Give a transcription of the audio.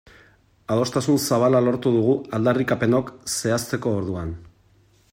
Adostasun zabala lortu dugu aldarrikapenok zehazteko orduan.